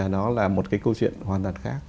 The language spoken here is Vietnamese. nó là một cái câu chuyện hoàn toàn khác